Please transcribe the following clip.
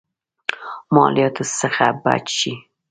مالياتو څخه بچ شي.